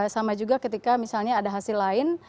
sama juga ketika misalnya ada hasil lain